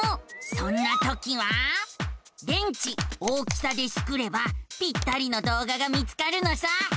そんなときは「電池大きさ」でスクればぴったりの動画が見つかるのさ。